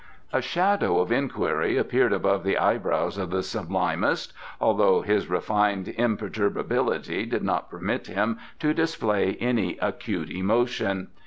A shadow of inquiry appeared above the eyebrows of the Sublimest, although his refined imperturbability did not permit him to display any acute emotion.